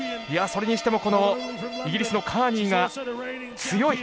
それにしてもイギリスのカーニーが強い。